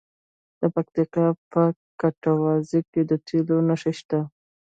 د پکتیکا په کټواز کې د تیلو نښې شته.